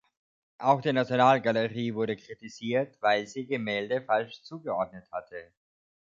Auch die Nationalgalerie wurde kritisiert, weil sie Gemälde falsch zugeordnet hatte.